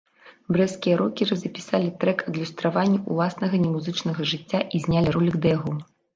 Брэсцкія рокеры запісалі трэк-адлюстраванне ўласнага немузычнага жыцця і знялі ролік да яго.